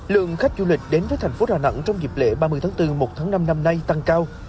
lượng khách du lịch đến với thành phố đà nẵng trong dịp lễ ba mươi tháng bốn một tháng năm năm nay tăng cao